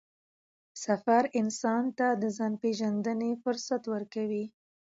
سفر انسان ته د ځان پېژندنې فرصت ورکوي